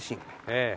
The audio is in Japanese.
ええ。